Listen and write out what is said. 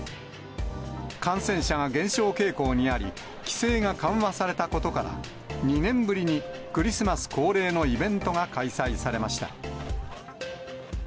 感染者が減少傾向にあり、規制が緩和されたことから、２年ぶりにクリスマス恒例のイベントが開催されました。